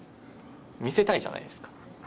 見せたいじゃないですか。